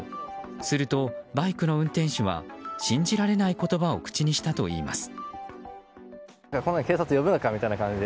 するとバイクの運転手は信じられない言葉を口にしたといいます。